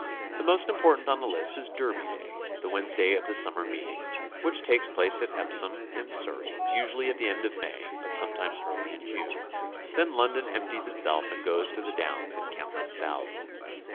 The most important on the list is Derby Day, the Wednesday of the Summer Meeting, which takes place at Epsom, in Surrey, usually at the end of May, but sometimes early in June; then London empties itself and goes to the Downs in countless thousands.